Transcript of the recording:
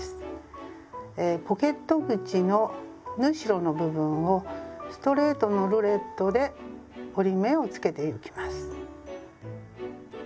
ポケット口の縫い代の部分をストレートのルレットで折り目をつけてゆきます。